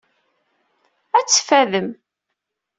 Ad teffadem.